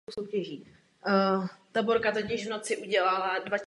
Každá kategorie soch byla podle něj umístěna na jednom stupni pódia.